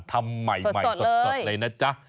ทำใหม่สดเลยนะจ๊ะ